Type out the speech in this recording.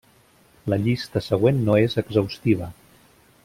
La llista següent no és exhaustiva.